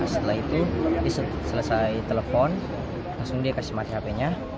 setelah itu dia selesai telepon langsung dia kasih mati hp nya